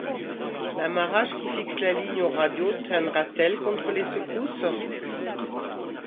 L’amarrage qui fixe la ligne au radeau tiendra-t-il contre les secousses ?